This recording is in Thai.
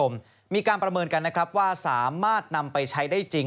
มีการประเมินกันนะครับว่าสามารถนำไปใช้ได้จริง